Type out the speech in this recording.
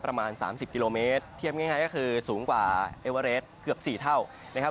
ประมาณ๓๐กิโลเมตรเทียบง่ายก็คือสูงกว่าเอเวอเรสเกือบ๔เท่านะครับ